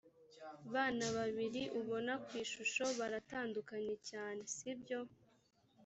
bana babiri ubona ku ishusho baratandukanye cyane si byo